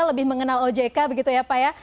lebih mengenal ojk begitu ya pak ya